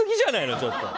ちょっと。